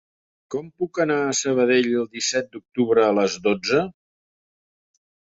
Com puc anar a Sabadell el disset d'octubre a les dotze?